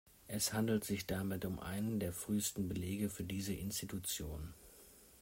Es handelt sich damit um einen der frühesten Belege für diese Institution.